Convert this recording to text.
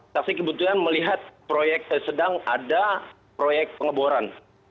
taksi kebutuhan melihat proyek sedang ada proyek pengeboran